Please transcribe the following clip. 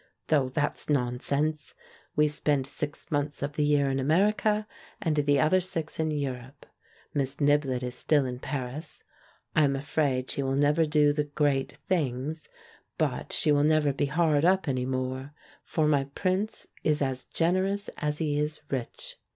Though that's nonsense. We spend six months of the year in America, and the other six in Europe. Miss Niblett is still in Paris. I am afraid she will never do the "great things," but she will never be hard up any more, for my "prince" is as generous as he is rich.